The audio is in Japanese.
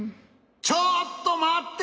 ちょっとまって！